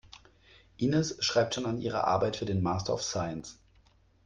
Ines schreibt schon an ihrer Arbeit für den Master of Science.